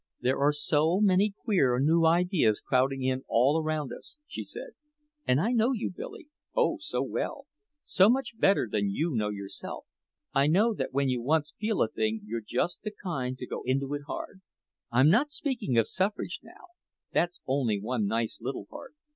"There are so many queer new ideas crowding in all around us," she said. "And I know you, Billy, oh, so well so much better than you know yourself. I know that when you once feel a thing you're just the kind to go into it hard. I'm not speaking of suffrage now that's only one nice little part.